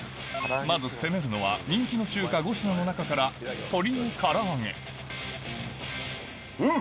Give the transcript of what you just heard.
まず攻めるのは人気の中華５品の中からうん！